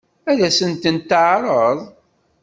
Ad sent-t-teɛṛeḍ?